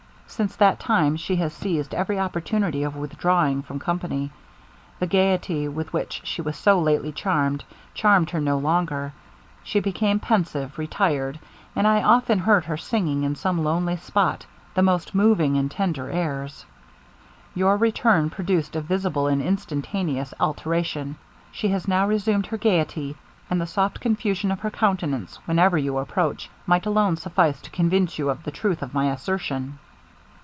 Since that time she has seized every opportunity of withdrawing from company. The gaiety with which she was so lately charmed charmed her no longer; she became pensive, retired, and I have often heard her singing in some lonely spot, the most moving and tender airs. Your return produced a visible and instantaneous alteration; she has now resumed her gaiety; and the soft confusion of her countenance, whenever you approach, might alone suffice to convince you of the truth of my assertion.'